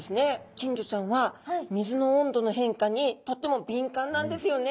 金魚ちゃんは水の温度の変化にとても敏感なんですよね